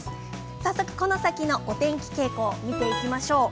早速、この先のお天気傾向見ていきましょう。